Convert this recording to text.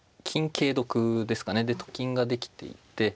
でと金ができていて。